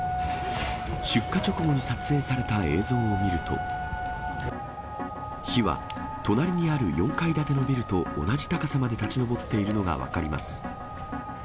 出火直後に撮影された映像を見ると、火は隣にある４階建てのビルと同じ高さまで立ち上っているのが分かります。